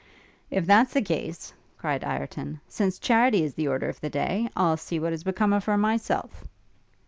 'If that's the case,' cried Ireton, 'since charity is the order of the day, I'll see what is become of her myself.'